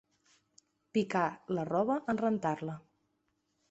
Picar la roba en rentar-la.